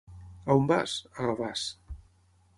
On vas? A Gavàs.